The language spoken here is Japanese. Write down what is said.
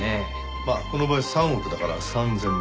まあこの場合３億だから３０００万。